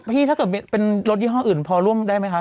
ถ้าเกิดเป็นรถยี่ห้ออื่นพอร่วมได้ไหมคะ